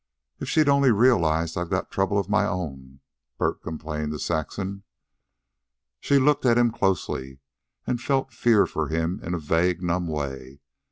"If she'd only realize I've got troubles of my own," Bert complained to Saxon. She looked at him closely, and felt fear for him in a vague, numb way.